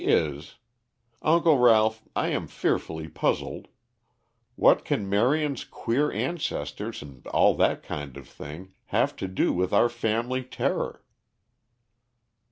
"She is. Uncle Ralph, I am fearfully puzzled. What can Marion's queer ancestors and all that kind of thing have to do with our family terror?"